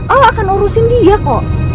allah akan urusin dia kok